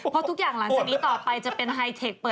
พอทุกอย่างหลังคีย์ที่นี้ต่อไปจะเป็นไฮเทค